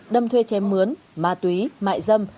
đâm thuê chém mướn ma túy mại dâm